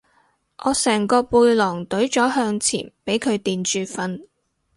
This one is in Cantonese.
我成個背囊隊咗向前俾佢墊住瞓